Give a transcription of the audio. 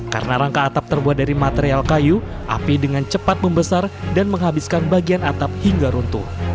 karena rangka atap terbuat dari material kayu api dengan cepat membesar dan menghabiskan bagian atap hingga runtuh